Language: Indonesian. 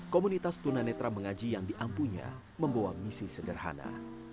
komunitas tuan anadra mengaji yang diampunya membawa misi sederhana